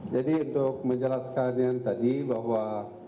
jadi untuk menjelaskan yang tadi bahwa